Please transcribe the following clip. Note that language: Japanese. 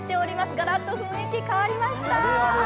ガラッと雰囲気変わりました。